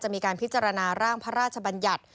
มีการพิจารณาร่างพระราชบัญญัติ